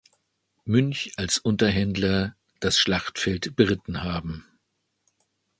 Münch als Unterhändler das Schlachtfeld beritten haben.